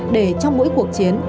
để trong mỗi cuộc chiến